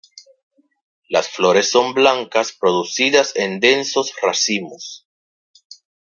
Las flores son blancas, producidas en densos racimos.